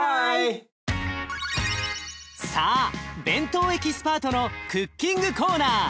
さあ弁当エキスパートのクッキングコーナー。